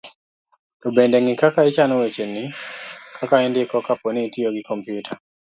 to bende ng'i kaka ichano wecheni, kaka indiko kapo ni itiyo gi kompyuta